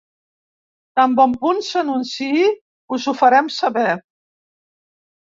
Tan bon punt s’anunciï, us ho farem saber.